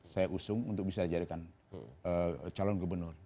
saya usung untuk bisa dijadikan calon gubernur